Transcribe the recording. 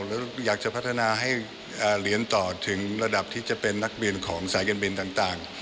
แล้วอยากจะพัฒนาให้เหรียญต่อถึงระดับที่จะเป็นนักบินของสายการบินต่าง